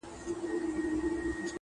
یوه بل ته یې کتل دواړه حیران سول٫